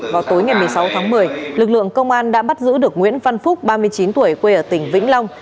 vào tối ngày một mươi sáu tháng một mươi lực lượng công an đã bắt giữ được nguyễn văn phúc ba mươi chín tuổi quê ở tỉnh vĩnh long